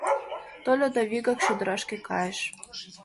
Тольо да вигак чодырашке кайыш.